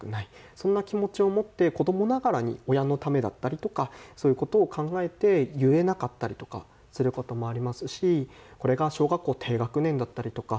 そんな気持ちを持って子どもながらに親のためだったりとかそういうことを考えて言えなかったりとかすることもあります